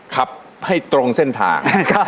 ขับให้ตรงเส้นทาง